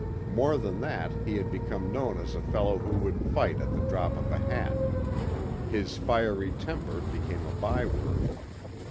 More than that he had become known as a fellow who would fight at the drop of a hat. His fiery temper became a byword.